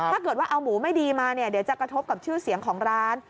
ถ้าเกิดว่าเอาหมูไม่ดีมาเนี่ยเดี๋ยวจะกระทบกับชื่อเสียงของร้าน